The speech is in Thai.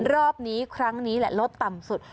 รอบนี้ครั้งนี้แหละลดต่ำสุด